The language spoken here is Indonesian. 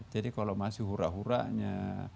jadi kalau masih hura huranya